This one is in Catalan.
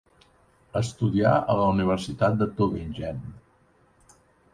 Estudià a la Universitat de Tübingen.